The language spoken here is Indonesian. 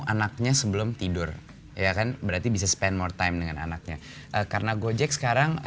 anaknya sebelum tidur ya kan berarti bisa spend more time dengan anaknya karena gojek sekarang